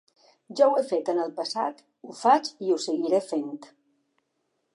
Jo ho he fet en el passat, ho faig i ho seguiré fent.